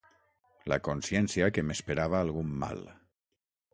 La consciència que m'esperava algun mal